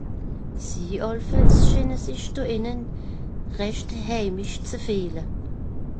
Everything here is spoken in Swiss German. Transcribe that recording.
Sie àllefàlls schiine sich do hìnne rächt heimisch ze fìehle.